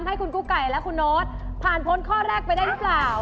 ให้คุณกุ๊กไก่และคุณโน๊ตผ่านพ้นข้อแรกไปได้หรือเปล่า